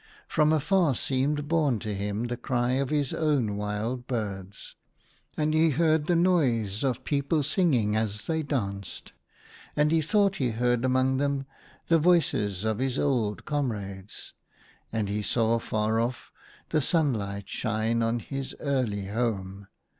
From afar seemed borne to him the cry of his own wild birds, and he heard the noise of people singing as they THE HUNTER. 49 danced. And he thought he heard among them the voices of his old com rades ; and he saw far off the sunlight shine on his early home.